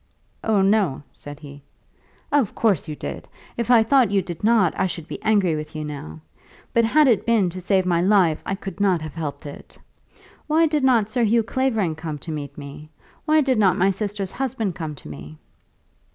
"Oh, no," said he. "Of course you did. If I thought you did not, I should be angry with you now. But had it been to save my life I could not have helped it. Why did not Sir Hugh Clavering come to meet me? Why did not my sister's husband come to me?"